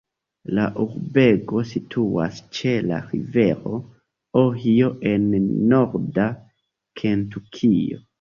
La urbego situas ĉe la rivero Ohio en norda Kentukio.